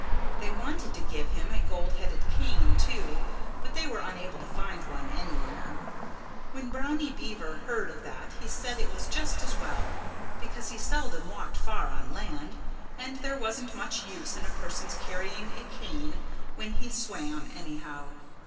They wanted to give him a gold headed cane, too. But they were unable to find one anywhere. When Brownie Beaver heard of that he said it was just as well, because he seldom walked far on land and there wasn't much use in a person's carrying a cane when he swam, anyhow.